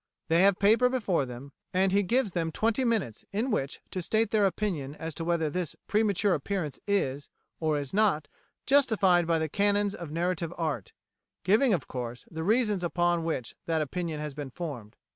They have paper before them, and he gives them twenty minutes in which to state their opinion as to whether this premature appearance is, or is not, justified by the canons of narrative art, giving, of course, the reasons upon which that opinion has been formed.